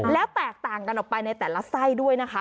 แล้วแตกต่างกันออกไปในแต่ละไส้ด้วยนะคะ